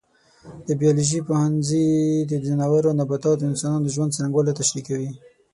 د بیولوژي پوهنځی د ځناورو، نباتاتو او انسانانو د ژوند څرنګوالی تشریح کوي.